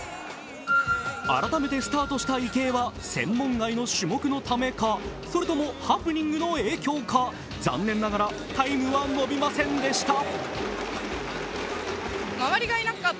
改めてスタートした池江は専門外の種目のためかそれともハプニングの影響か、残念ながらタイムは伸びませんでした。